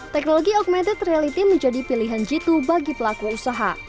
teknologi augmented reality menjadi pilihan jitu bagi pelaku usaha